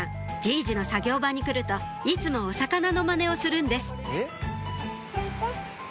いじの作業場に来るといつもお魚のマネをするんです